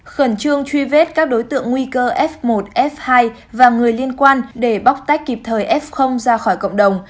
khẩn trương truy vết các đối tượng nguy cơ f một f hai và người liên quan để bóc tách kịp thời f ra khỏi cộng đồng